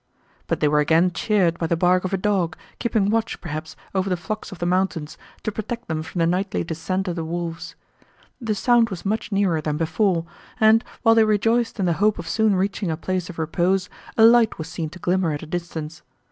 But they were again cheered by the bark of a dog, keeping watch, perhaps, over the flocks of the mountains, to protect them from the nightly descent of the wolves. The sound was much nearer than before, and, while they rejoiced in the hope of soon reaching a place of repose, a light was seen to glimmer at a distance.